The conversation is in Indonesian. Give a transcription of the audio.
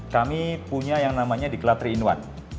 kami punya yang namanya diklat tiga in satu